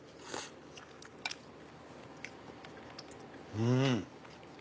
うん！